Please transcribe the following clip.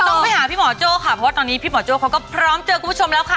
ต้องไปหาพี่หมอโจ้ค่ะเพราะว่าตอนนี้พี่หมอโจ้เขาก็พร้อมเจอคุณผู้ชมแล้วค่ะ